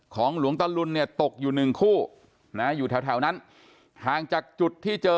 หลวงตะลุนเนี่ยตกอยู่หนึ่งคู่นะอยู่แถวนั้นห่างจากจุดที่เจอ